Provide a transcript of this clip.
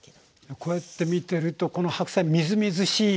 こうやって見てるとこの白菜みずみずしい。